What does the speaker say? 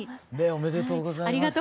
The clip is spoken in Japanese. おめでとうございます。